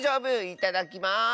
いただきます！